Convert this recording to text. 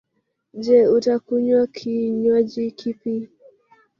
Je, utakunya kinwaji kipi?